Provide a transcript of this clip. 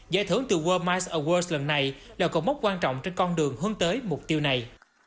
giải thưởng từ world mice awards lần này là cầu mốc quan trọng trên con đường hướng tới mục tiêu này